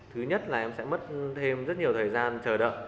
thứ nhất là em sẽ mất thêm rất nhiều thời gian chờ đợi